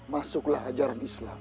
masuklah ajaran islam